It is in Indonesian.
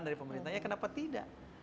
dari pemerintah ya kenapa tidak